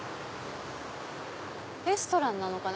レストランなのかな？